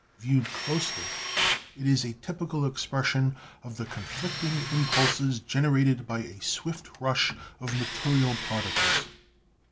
Viewed closely it is a typical expression of the conflicting impulses generated by a swift rush of material particles.